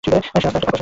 সে আস্ত পাগল!